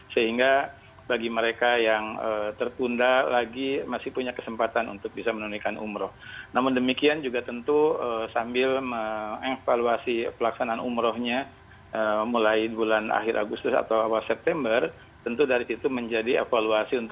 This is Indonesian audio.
yuk ter trent noah padahal